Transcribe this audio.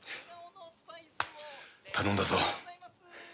頼んだぞ。